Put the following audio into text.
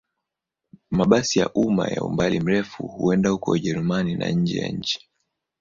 Mabasi ya umma ya umbali mrefu huenda huko Ujerumani na nje ya nchi.